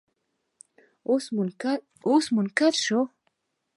اوس منکر شو.